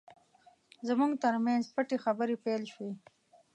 زموږ ترمنځ پټې خبرې پیل شوې.